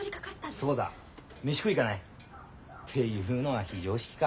そうだ飯食いに行かない？っていうのは非常識か。